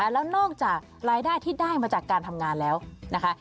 แล้วนอกจากรายได้ที่ได้มาจากการทำงานแล้วนะคะ